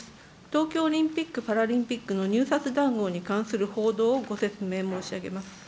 東京オリンピック・パラリンピックの入札談合に関する報道をご説明申し上げます。